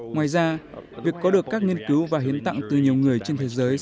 ngoài ra việc có được các nghiên cứu và hiến tặng từ nhiều người trên thế giới